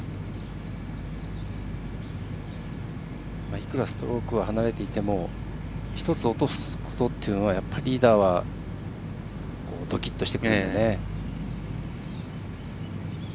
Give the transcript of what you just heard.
いくらストロークが離れていても１つ落とすことっていうのはリーダーはドキッとしてくるので。